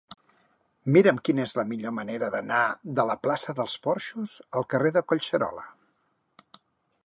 Mira'm quina és la millor manera d'anar de la plaça dels Porxos al carrer de Collserola.